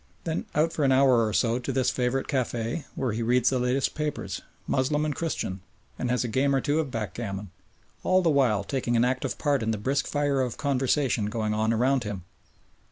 Then out for an hour or so to this favourite café, where he reads the latest papers Moslem and Christian and has a game or two of backgammon, all the while taking an active part in the brisk fire of conversation going on around him.